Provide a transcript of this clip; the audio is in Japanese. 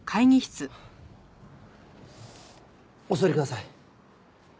お座りください。